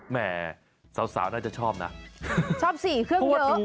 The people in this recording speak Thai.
แม่สาวน่าจะชอบนะชอบสิเครื่องเยอะ